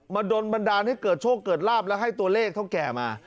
โดนบันดาลให้เกิดโชคเกิดลาบและให้ตัวเลขเท่าแก่มา